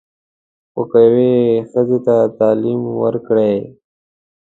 خو که یوې ښځې ته تعلیم ورکړې.